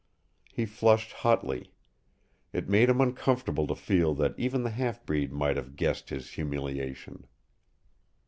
He flushed hotly. It made him uncomfortable to feel that even the half breed might have guessed his humiliation.